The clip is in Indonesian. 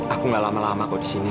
aku gak lama lama kok di sini